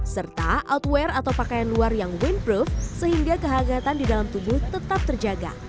serta outwear atau pakaian luar yang wind proof sehingga kehangatan di dalam tubuh tetap terjaga